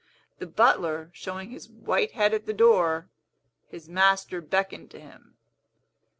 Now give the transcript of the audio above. The butler showing his white head at the door, his master beckoned to him.